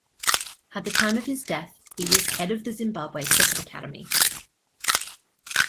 At the time of his death, he was head of the Zimbabwe Cricket Academy.